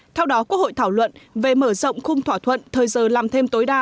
theo đó quốc hội thảo luận về mở rộng khung thỏa thuận thời giờ làm thêm tối đa